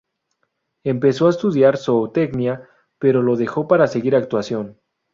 Empezó a estudiar Zootecnia, pero lo dejó para seguir actuación.